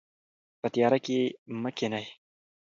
په تیاره کې مه کښینئ.